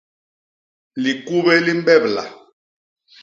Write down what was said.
Likubé li mbebla.